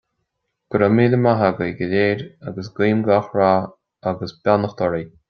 Go raibh míle maith agaibh go léir agus guím gach rath agus beannacht oraibh.